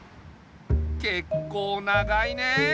けっこう長いね。